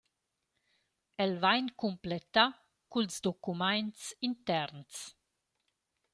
El vain cumplettà culs documaints interns.